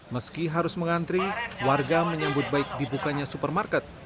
meski harus mengantri warga menyambut baik dibukanya supermarket